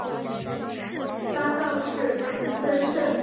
搭挡是藤森慎吾。